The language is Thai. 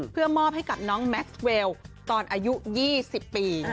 เพื่อมอบให้กับน้องแม็กซ์เวลตอนอายุ๒๐ปี